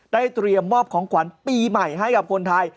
เตรียมมอบของขวัญปีใหม่ให้กับคนไทย